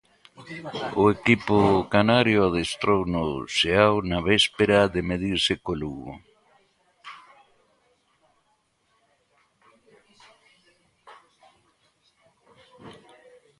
O equipo canario adestrou no Ceao na véspera de medirse co Lugo.